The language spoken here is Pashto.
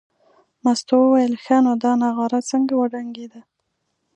مستو وویل ښه نو دا نغاره څنګه وډنګېده.